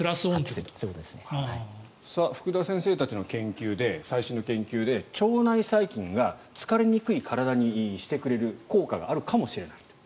福田先生たちの最新の研究で、腸内細菌が疲れにくい体にしてくれる効果があるかもしれないと。